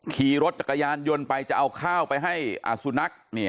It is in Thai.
ขี่รถจักรยานยนต์ไปจะเอาข้าวไปให้สุนัข